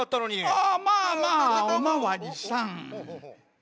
ああまあまあおまわりさん。